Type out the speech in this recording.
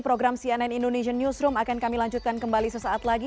program cnn indonesian newsroom akan kami lanjutkan kembali sesaat lagi